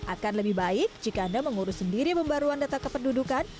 akan lebih baik jika anda mengurus sendiri pembaruan data kependudukan